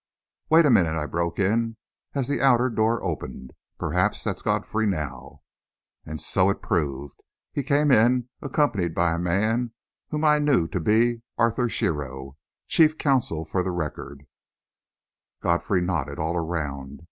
"Wait a minute," I broke in, as the outer door opened. "Perhaps that's Godfrey, now." And so it proved. He came in accompanied by a man whom I knew to be Arthur Shearrow, chief counsel for the Record. Godfrey nodded all around.